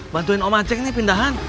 bantuin om acek nih pindahan